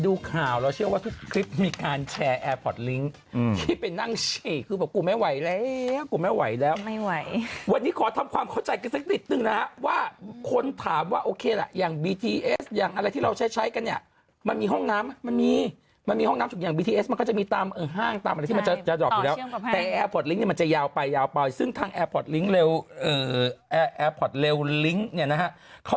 ดูข่าวแล้วเชื่อว่าทุกคลิปมีการแชร์แอร์พอร์ตลิ้งที่เป็นนั่งเชี่ยคือบอกกูไม่ไหวแล้วกูไม่ไหวแล้วไม่ไหววันนี้ขอทำความเข้าใจกันสักนิดหนึ่งนะฮะว่าคนถามว่าโอเคล่ะอย่างบีทีเอสอย่างอะไรที่เราใช้ใช้กันเนี่ยมันมีห้องน้ำมันมีมันมีห้องน้ำอย่างบีทีเอสมันก็จะมีตามห้างตามอะไรที่มันจะจะดอก